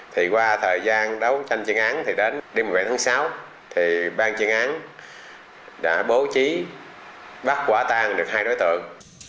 thì qua thời gian đấu tranh chuyên án thì đến đêm một mươi bảy tháng sáu thì ban chuyên án đã bố trí bắt quả tang được hai đối tượng